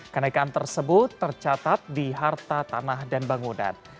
kenaikan tersebut tercatat di harta tanah dan bangunan